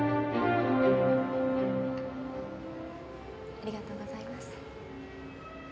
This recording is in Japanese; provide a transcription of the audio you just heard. ありがとうございます。